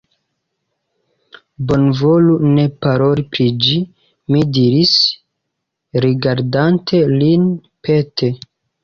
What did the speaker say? Bonvolu ne paroli pri ĝi, mi diris, rigardante lin pete.